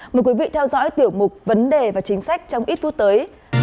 mời quý vị theo dõi tiểu mục vấn đề và chính sách trong ít phút tới